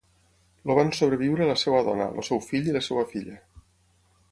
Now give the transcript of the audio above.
El van sobreviure la seva dona, el seu fill i la seva filla.